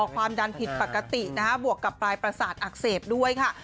ความดันผิดปกตินะคะบวกกับปลายประสาทอักเสบด้วยค่ะ